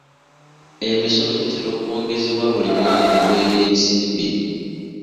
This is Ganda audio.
Emisolo gitera okwongezebwa buli mwaka gw'ebyensimbi.